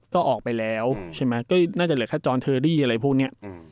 ก็ออกไปแล้วอืมใช่ไหมก็น่าจะเหลือแค่อะไรพวกเนี้ยอืม